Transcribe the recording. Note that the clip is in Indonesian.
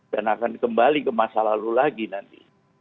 dan akan kembali ke masa lalu lagi nanti